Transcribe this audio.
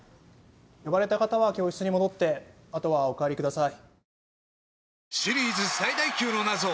呼ばれた方は教室に戻ってあとはお帰りください。